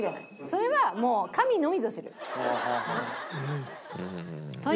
それはもう神のみぞ知る。という話。